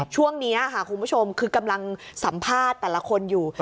ช่วงนี้ค่ะคุณผู้ชมคือกำลังสัมภาษณ์แต่ละคนอยู่